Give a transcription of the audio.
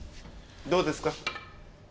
どうですか？